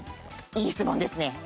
いい質問ですね！